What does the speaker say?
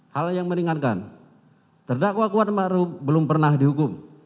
hal yang meningatkan terdakwa kuat makrup belum pernah dihukum